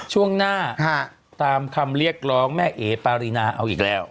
ช่วงหน้าตามคำเรียกร้องแม่เอ๋ปารีนาเอาอีกแล้ว